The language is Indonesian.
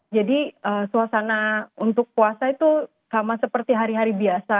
jadi suasana untuk puasa itu sama seperti hari hari biasa